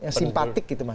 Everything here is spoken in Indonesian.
yang simpatik gitu mas